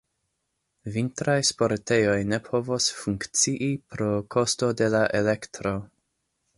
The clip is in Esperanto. Vintraj sportejoj ne povos funkcii pro kosto de la elektro.